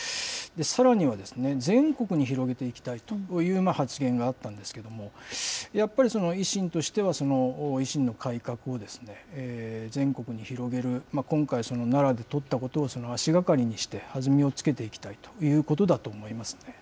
さらには、全国に広げていきたいという発言があったんですけれども、やっぱり維新としては、維新の改革を全国に広げる、今回その奈良で取ったことを足がかりにして、弾みをつけていきたいということだと思いますね。